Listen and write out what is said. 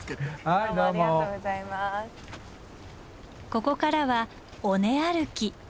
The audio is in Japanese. ここからは尾根歩き。